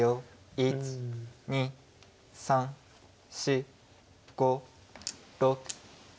１２３４５６。